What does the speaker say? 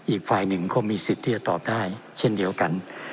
อีกฝ่ายหนึ่งก็มีสิทธิ์ที่จะตอบได้เช่นเดียวกัน